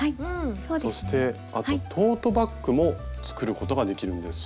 そしてあとトートバッグも作ることができるんです。